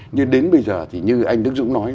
nhưng đến bây giờ thì như anh đức dũng nói